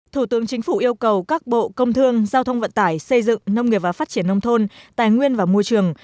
thủ tướng chính phủ yêu cầu các bộ công thương giao thông vận tải xây dựng nông nghiệp và phát triển nông thôn tài nguyên và môi trường